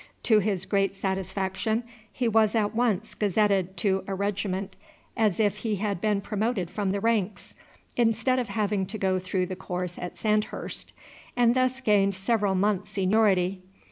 To his great satisfaction he was at once gazetted to a regiment as if he had been promoted from the ranks, instead of having to go through the course at Sandhurst, and thus gained several months' seniority.